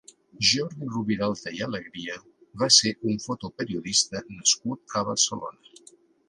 Jordi Roviralta i Alegría va ser un fotoperiodista nascut a Barcelona.